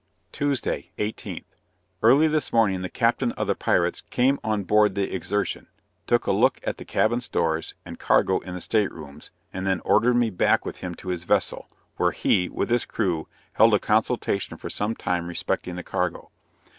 Tuesday, 18th. Early this morning the captain of the pirates came on board the Exertion; took a look at the cabin stores, and cargo in the state rooms, and then ordered me back with him to his vessel, where he, with his crew, held a consultation for some time respecting the cargo.